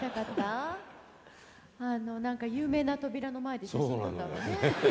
あの何か有名な扉の前で写真撮ったわよね。